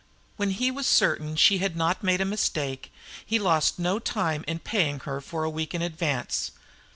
When he was certain she had not made a mistake he lost no time in paying her for a week is advance.